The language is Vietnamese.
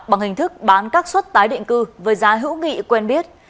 bằng hình thức bán các suất tái định cư với giá hữu nghị quen biết